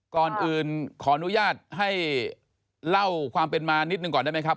ก่อนอื่นขออนุญาตให้เล่าความเป็นมานิดหนึ่งก่อนได้ไหมครับ